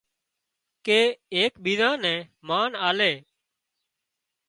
ڪي ايڪ ٻيزان نين مانَ آلي